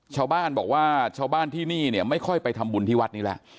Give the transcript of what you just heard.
ชาวบ้านบอกว่าชาวบ้านที่นี่เนี่ยไม่ค่อยไปทำบุญที่วัดนี้แล้ว